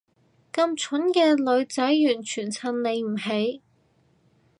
咁蠢嘅女仔完全襯你唔起